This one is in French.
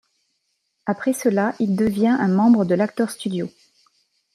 Après cela, il devient un membre de l'Actors Studio.